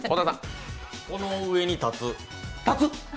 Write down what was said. この上に立つ？